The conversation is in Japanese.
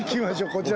こちら？